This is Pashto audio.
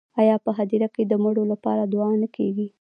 آیا په هدیره کې د مړو لپاره دعا نه کیږي؟